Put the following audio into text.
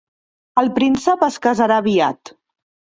El príncep es casarà aviat.